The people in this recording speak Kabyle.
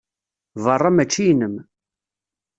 Berra mačči inem.